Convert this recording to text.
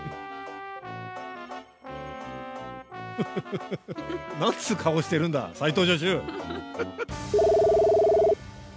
フフフフ何つう顔してるんだ斉藤助手。